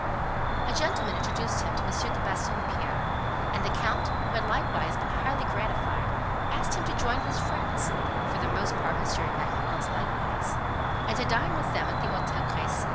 A gentleman introduced him to M. de Bassompierre; and the Count, who had likewise been highly gratified, asked him to join his friends (for the most part M. Emanuel's likewise), and to dine with them at the Hôtel Crécy.